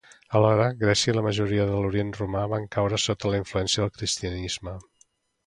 Alhora, Grècia i la majoria de l'orient romà van caure sota la influència del cristianisme.